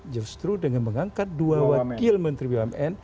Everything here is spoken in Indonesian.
justru dengan mengangkat dua wakil menteri bumn